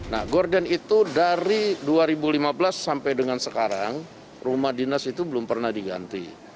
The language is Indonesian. nah gorden itu dari dua ribu lima belas sampai dengan sekarang rumah dinas itu belum pernah diganti